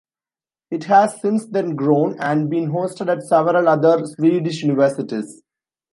It has since then grown and been hosted at several other Swedish universities.